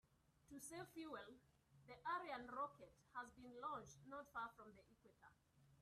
To save fuel, the Ariane rocket has been launched not far from the equator.